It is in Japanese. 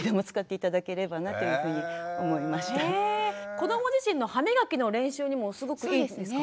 子ども自身の歯みがきの練習にもすごくいいんですか。